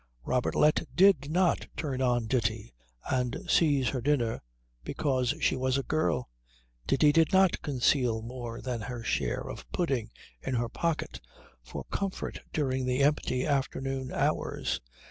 Robertlet did not turn on Ditti and seize her dinner because she was a girl; Ditti did not conceal more than her share of pudding in her pocket for comfort during the empty afternoon hours.